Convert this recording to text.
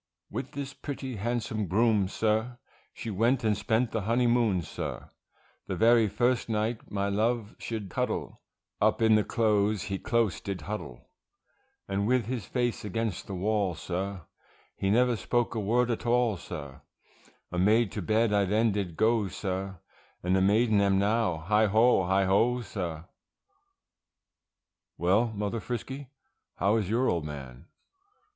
With this pretty handsome groom, sir, She went and spent the honey moon, sir, The very first night my love should cuddle, Up in the clothes he close did huddle; And with his face against the wall, sir, He never spoke a word at all, sir, A maid to bed I then did go, sir, And a maiden am now, heigho! heigho! sir. Well, Mother Frisky, how is your old man?